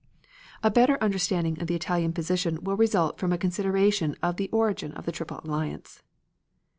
A better understanding of the Italian position will result from a consideration of the origin of the Triple Alliance.